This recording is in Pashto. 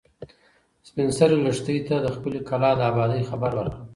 سپین سرې لښتې ته د خپلې کلا د ابادۍ خبر ورکړ.